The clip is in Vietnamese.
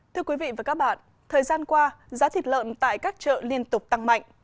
thưa quý vị và các bạn thời gian qua giá thịt lợn tại các chợ liên tục tăng mạnh